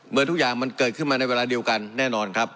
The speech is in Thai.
ทุกอย่างมันเกิดขึ้นมาในเวลาเดียวกันแน่นอนครับ